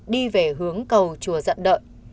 đi về hướng cầu chùa dận đợi